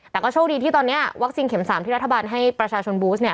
แต่ก็โชคดีที่ตอนนี้วัคซีนเข็ม๓ที่รัฐบาลให้ประชาชนบูสเนี่ย